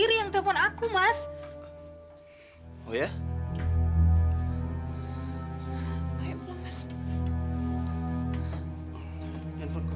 iya mbak tenang aja ya mbak